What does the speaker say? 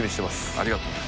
ありがとう。